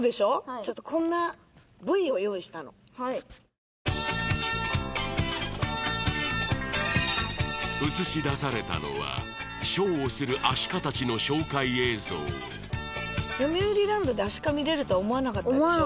ちょっとはい映し出されたのはショーをするアシカたちの紹介映像よみうりランドでアシカ見れるとは思わなかったでしょ？